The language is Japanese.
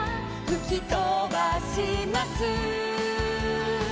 「ふきとばします」